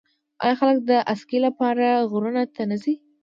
آیا خلک د اسکی لپاره غرونو ته نه ځي؟